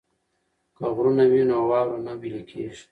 که غرونه وي نو واوره نه ویلی کیږي.